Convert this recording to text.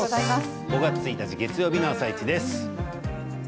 ５月１日月曜日の「あさイチ」です。